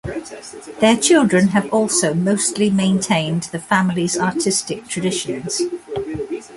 Their children have also mostly maintained the family's artistic traditions.